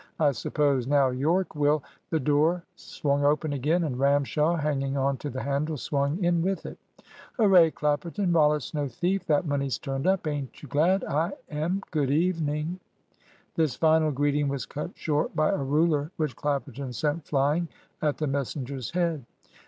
I suppose, now, Yorke will " The door swung open again, and Ramshaw, hanging on to the handle, swung in with it. "Hooray, Clapperton! Rollitt's no thief. That money's turned up. Ain't you glad? I am good evening." This final greeting was cut short by a ruler which Clapperton sent flying at the messenger's head.